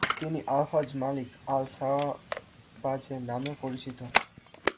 তিনি El Hajj Malik El Shabazz নামেও পরিচিত।